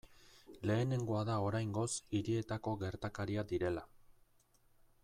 Lehenengoa da oraingoz hirietako gertakaria direla.